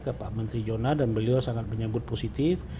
ke pak menteri jonah dan beliau sangat menyebut positif